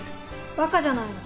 バカじゃないの。